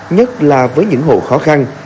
nhất là với những hộ khó khăn